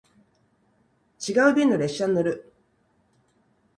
違う便の列車に乗る